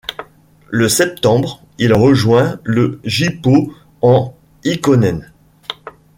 Le septembre, il rejoint le Jippo en Ykkönen.